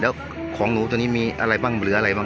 แล้วของนุนีมีอะไรบ้างเหลืออะไรบ้าง